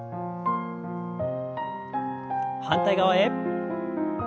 反対側へ。